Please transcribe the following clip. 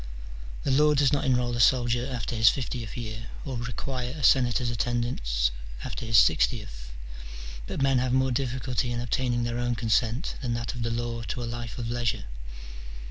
The law does not enrol a soldier after his fiftieth year, or require a senator's attendance after his sixtieth : but men have more difficulty in obtain ing their own consent than that of the law to a life of leisure.